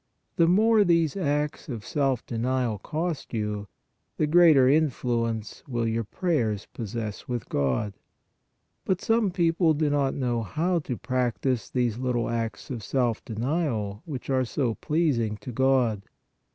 The more these acts of self denial cost you, the greater influence will your prayers possess with God. But some people do not know how to practise these little acts of self denial, which are so pleasing to God.